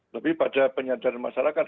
lebih pada penyadaran masyarakat